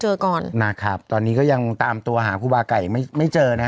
ถูกต้องถูกต้องถูกต้องถูกต้องถูกต้องถูกต้องถูกต้อง